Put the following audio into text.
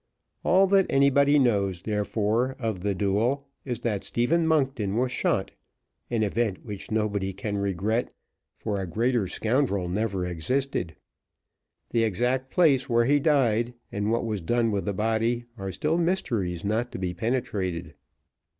All that anybody knows, therefore, of the duel is that Stephen Monkton was shot; an event which nobody can regret, for a greater scoundrel never existed. The exact place where he died, and what was done with the body are still mysteries not to be penetrated."